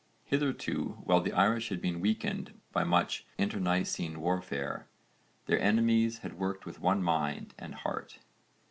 Hitherto while the Irish had been weakened by much internecine warfare, their enemies had worked with one mind and heart.